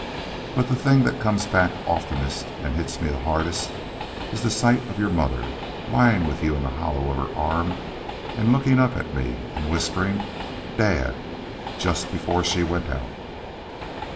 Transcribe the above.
But the thing that comes back oftenest and hits me the hardest is the sight of your mother, lying with you in the hollow of her arm and looking up at me and whispering, 'Dad,' just before she went out."